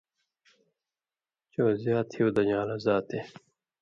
چو زیات ہیُو دژان٘لو ذاتے۔